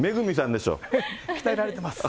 鍛えられてます。